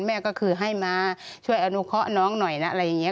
แม่ก็คือให้มาช่วยอนุเคาะน้องหน่อยนะอะไรอย่างนี้